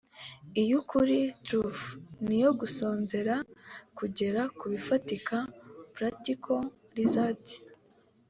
iy’Ukuri (Truth) n’iyo gusonzera kugera kubifatika (Practical Results)